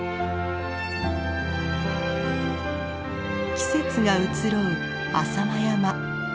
季節が移ろう浅間山。